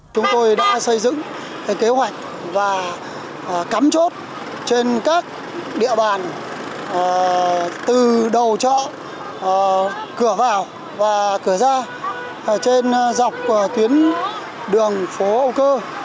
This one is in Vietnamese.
chúng tôi đã xây dựng kế hoạch và cắm chốt trên các địa bàn từ đầu chợ cửa vào và cửa ra trên dọc tuyến đường phố âu cơ